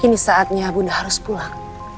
kini saatnya bunda harus pulang